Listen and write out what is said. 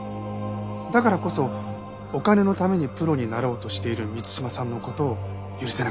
だからこそお金のためにプロになろうとしている満島さんの事を許せなかった。